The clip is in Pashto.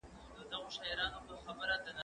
زه اوږده وخت سبزیحات تياروم وم!؟